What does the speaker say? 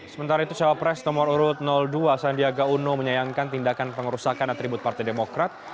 sementara itu salon presiden nomor dua sandiaga uno menyayangkan tindakan pengerusakan atribut partai demokrat